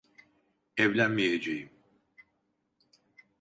Evlenmeyeceğim.